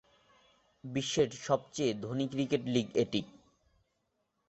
বিশ্বের সবচেয়ে ধনী ক্রিকেট লিগ এটি।